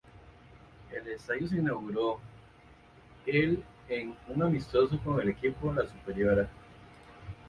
El estadio se inauguró el en un amistoso con el equipo "La Superiora".